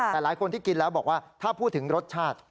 แต่หลายคนที่กินแล้วบอกว่าถ้าพูดถึงรสชาติ